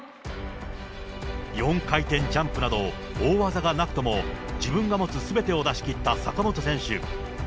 ４回転ジャンプなど大技がなくとも自分が持つすべてを出しきった坂本選手。